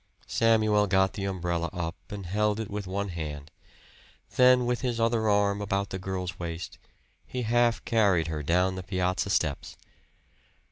Samuel got the umbrella up and held it with one hand; then with his other arm about the girl's waist, he half carried her down the piazza steps.